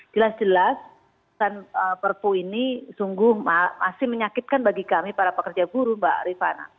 jelas jelas perpu ini sungguh masih menyakitkan bagi kami para pekerja buruh mbak rifana